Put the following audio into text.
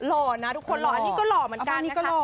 หล่อนะทุกคนอันนี้ก็หล่อเหมือนกันนะคะ